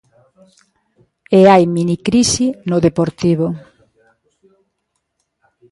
E hai minicrise no Deportivo.